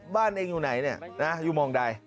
บ้านเองอยู่ไหนเนี่ยนะอยู่มองใด